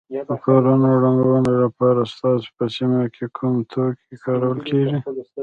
د کورونو رنګولو لپاره ستاسو په سیمه کې کوم توکي کارول کیږي.